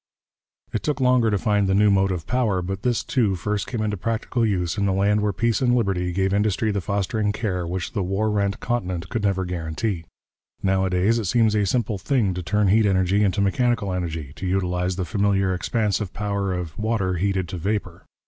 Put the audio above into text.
It took longer to find the new motive power, but this, too, first came into practical use in the land where peace and liberty gave industry the fostering care which the war rent Continent could never guarantee. Nowadays it seems a simple thing to turn heat energy into mechanical energy, to utilize the familiar expansive power of water heated to vapour.